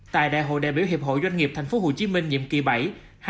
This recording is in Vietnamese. tại đại hội đại biểu hiệp hội doanh nghiệp tp hcm nhiệm kỳ bảy